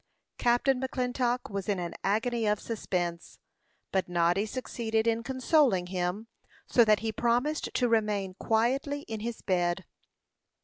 Captain McClintock was in an agony of suspense; but Noddy succeeded in consoling him so that he promised to remain quietly in his bed.